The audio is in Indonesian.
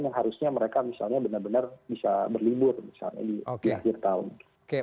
yang harusnya mereka misalnya benar benar bisa berlibur misalnya di akhir tahun